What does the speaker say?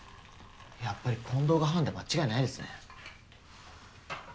やっぱり近藤がハンで間違いないですね。